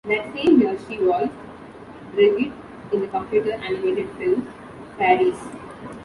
That same year she voiced Brigid in the computer animated film "Faeries".